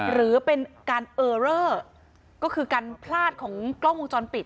หรือเป็นการเออเรอก็คือการพลาดของกล้องวงจรปิด